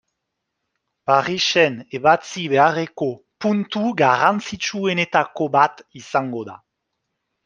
Parisen ebatzi beharreko puntu garrantzitsuenetako bat izango da.